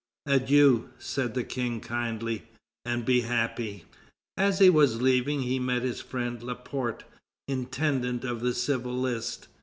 "Adieu," said the King kindly, "and be happy!" As he was leaving, he met his friend Laporte, intendant of the civil list.